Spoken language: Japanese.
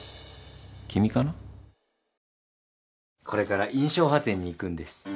これから『印象派展』に行くんです。